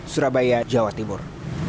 surabaya jawa timur